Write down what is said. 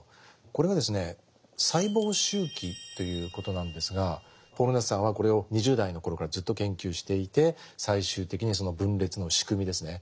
これがですね細胞周期ということなんですがポール・ナースさんはこれを２０代の頃からずっと研究していて最終的にその分裂の仕組みですね。